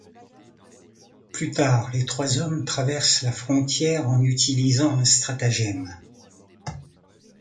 Plus tard, les trois hommes traversent la frontière en utilisant un stratagème.